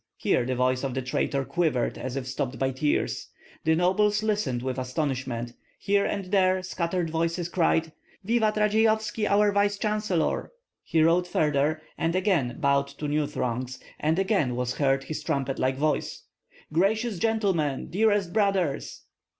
Here the voice of the traitor quivered as if stopped by tears. The nobles listened with astonishment; here and there scattered voices cried, "Vivat Radzeyovski, our vice chancellor!" He rode farther, and again bowed to new throngs, and again was heard his trumpet like voice: "Gracious gentlemen, dearest brothers!"